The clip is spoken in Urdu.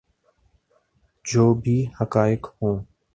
جو بھی حقائق ہوں۔